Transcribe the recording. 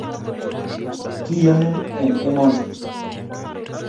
Kiyonin eng' emoni